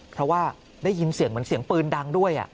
เพราะว่าได้ยินเสียงเหมือนเสียงปืนดังด้วย